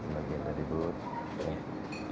bagian dari boots